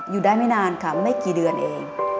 อยู่ได้ไม่นานค่ะไม่กี่เดือนเอง